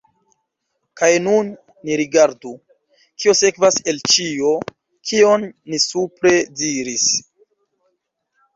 Kaj nun ni rigardu, kio sekvas el ĉio, kion ni supre diris.